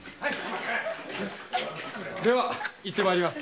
では行って参ります。